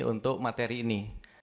untuk materi ini